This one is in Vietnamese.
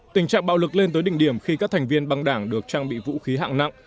tình trạng bạo lực lên tới đỉnh điểm khi các thành viên băng đảng được trang bị vũ khí hạng nặng